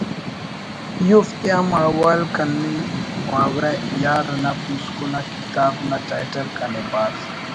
ای اوفتے ہم حوال کننگ خواوہ یار نا پوسکن آ کتاب نا ٹائٹل کنے بھاز